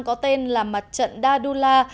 có tên là mặt trận dadullah